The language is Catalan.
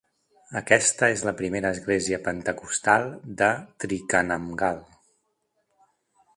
Aquesta és la primera església pentecostal de Thrikkannamngal.